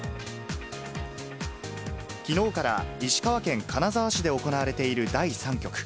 きのうから、石川県金沢市で行われている第３局。